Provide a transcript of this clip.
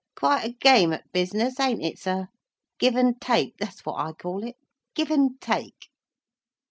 Quite a game at business, ain't it, sir? Give and take that's what I call it—give and take!"